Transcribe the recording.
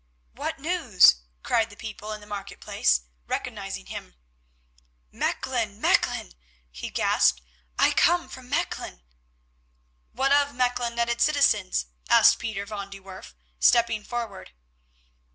"What news?" cried the people in the market place, recognising him. "Mechlin! Mechlin!" he gasped. "I come from Mechlin." "What of Mechlin and its citizens?" asked Pieter van de Werff, stepping forward.